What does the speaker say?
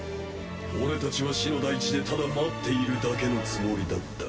俺たちは死の大地でただ待っているだけのつもりだった。